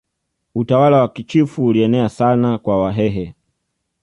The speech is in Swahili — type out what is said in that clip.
utawala wa kichifu ulienea sana kwa wahehe